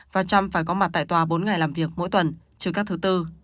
và trump phải có mặt tại tòa bốn ngày làm việc mỗi tuần trừ các thứ tư